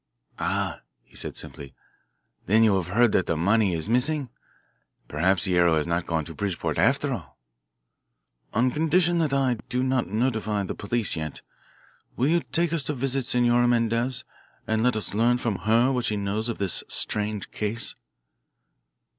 "Ah," he said simply, "then you have heard that the money is missing? Perhaps Guerrero has not gone to Bridgeport, after all!" "On condition that I do not notify the police yet will you take us to visit Senora Mendez, and let us learn from her what she knows of this strange case?"